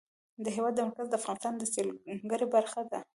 د هېواد مرکز د افغانستان د سیلګرۍ برخه ده.